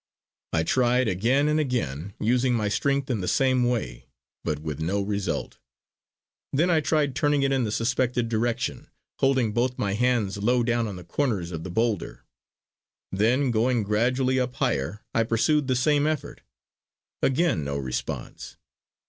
I tried again and again, using my strength in the same way; but with no result. Then I tried turning it in the suspected direction, holding both my hands low down on the corners of the boulder; then going gradually up higher I pursued the same effort; again no response.